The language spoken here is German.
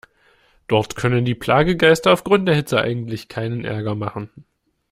Dort können die Plagegeister aufgrund der Hitze eigentlich keinen Ärger machen.